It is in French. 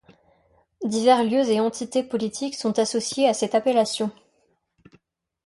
Divers lieux et entités politiques sont associés à cette appellation.